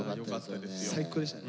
最高でしたよ。